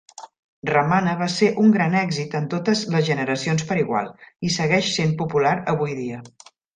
Ramana va ser un gran èxit en totes les generacions per igual, i segueix sent popular avui dia.